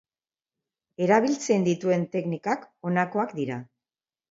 Erabiltzen dituen teknikak honakoak dira.